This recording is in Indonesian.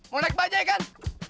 mau naik bajaj kan